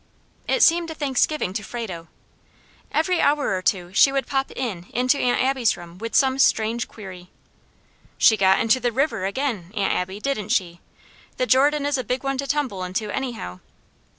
It seemed a thanksgiving to Frado. Every hour or two she would pop in into Aunt Abby's room with some strange query: "She got into the RIVER again, Aunt Abby, didn't she; the Jordan is a big one to tumble into, any how.